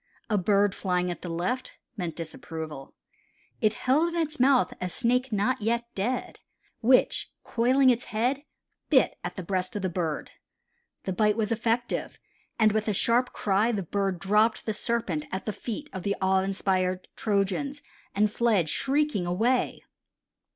A bird flying at the left meant disapproval. It held in its mouth a snake not yet dead, which, coiling its head, bit at the breast of the bird. The bite was effective, and with a sharp cry, the bird dropped the serpent at the feet of the awe inspired Trojans and fled shrieking away.